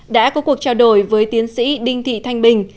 đã có cuộc trao đổi với tiến sĩ đinh thị thanh bình